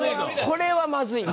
これはまずい。